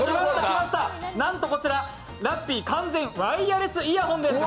なんとこちら、ラッピー完全ワイヤレスイヤホンです。